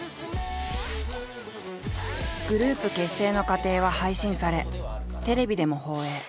グループ結成の過程は配信されテレビでも放映。